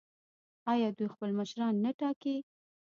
آیا دوی خپل مشران نه ټاکي؟